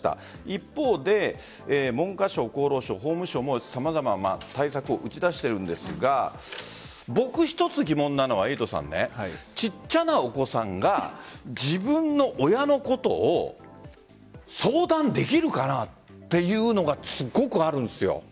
一方で文科省、厚労省、法務省も様々な対策を打ち出しているんですが僕、一つ疑問なのは小さなお子さんが自分の親のことを相談できるかなというのがすごくあるんですよ。